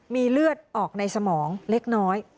มีเลือดออกในสมองเล็กน้อย